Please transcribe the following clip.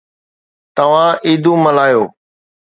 توهان عيدون ملهايو